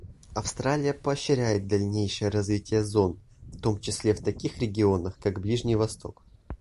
Австралия поощряет дальнейшее развитие зон, в том числе в таких регионах, как Ближний Восток.